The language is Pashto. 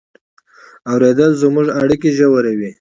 اورېدل زموږ اړیکې ژوروي.